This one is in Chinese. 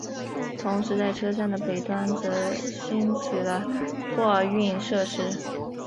同时在车站的北端则兴起了货运设施。